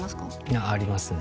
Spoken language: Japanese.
いやありますね。